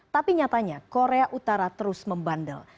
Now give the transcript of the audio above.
tapi nyatanya korea utara terus membandel